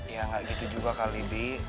ya gak gitu juga kali bi